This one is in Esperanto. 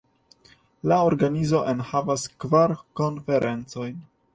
La organizo enhavas kvar konferencojn.